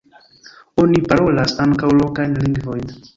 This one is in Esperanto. Oni parolas ankaŭ lokajn lingvojn.